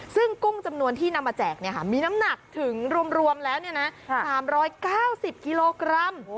ซึ่งกุ้งจำนวนที่นำมาแจกมีน้ำหนักถึงรวมแล้ว๓๙๐กิโลกรัม